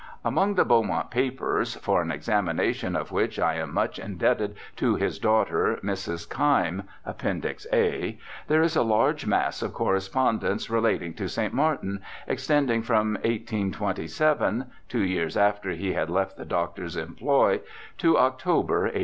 Among the Beaumont papers, for an examination of which I am much indebted to his daughter, Mrs. Keim (Appendix A), there is a large mass of correspondence relating to St. Martin, extending from 1827, two years after he had left the doctor's employ, to October, 1852.